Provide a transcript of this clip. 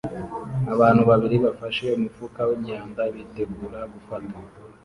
Abantu babiri bafashe umufuka wimyanda bitegura gufata